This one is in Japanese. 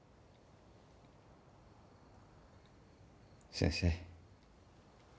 先生。